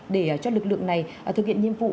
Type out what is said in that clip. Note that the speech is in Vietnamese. để cho lực lượng này thực hiện nhiệm vụ